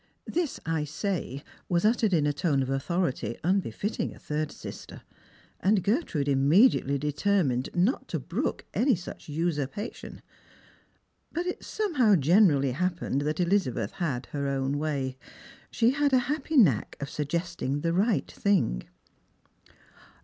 This " I say " was uttered in a tone of authority, unbefitting a third sister; and Gertrude immediately determined not to brook any such usurpation ; but it somehow generally happened that Elizabeth had her own way. She had a happy knack of suggesting the right thing.